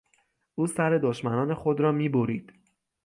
او سر دشمنان خود را میبرید.